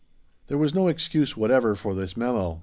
There was no excuse whatever for this memo.